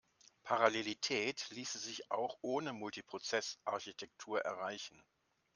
Parallelität ließe sich auch ohne Multiprozess-Architektur erreichen.